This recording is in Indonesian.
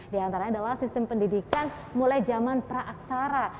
di antaranya adalah sistem pendidikan mulai zaman praaksara